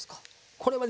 これはね